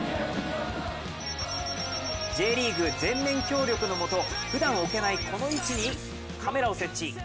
Ｊリーグ全面協力のもとふだん置けないこの位置にカメラを設置。